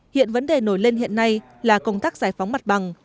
hiện vấn đề nổi lên hiện nay là công tác giải phóng mặt bằng